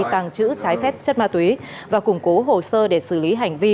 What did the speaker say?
tàng trữ trái phép chất ma túy và củng cố hồ sơ để xử lý hành vi